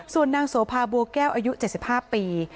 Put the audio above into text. ส่วนนางโสพาบัวแก้วอายุเจ็ดสิบห้าปี